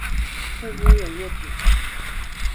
会不会有夜景